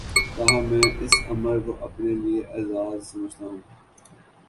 تاہم میں اس امر کو اپنے لیے اعزا ز سمجھتا ہوں